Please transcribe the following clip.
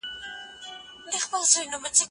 پښتو رباب، فارسي رباب، اُردو رباب او... رباب نسته.